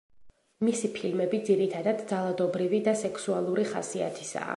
მისი ფილმები ძირითადად ძალადობრივი და სექსუალური ხასიათისაა.